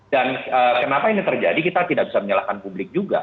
dan kenapa ini terjadi kita tidak bisa menyalahkan publik juga